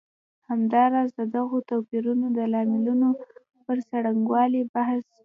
همداراز د دغو توپیرونو د لاملونو پر څرنګوالي هم بحث کوي.